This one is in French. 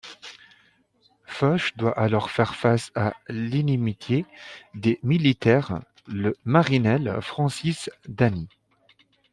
Fuchs doit alors faire face à l'inimitié des militaires Le Marinel, Francis Dhanis.